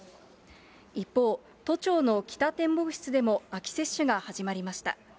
一方、都庁の北展望室でも秋接種が始まりました。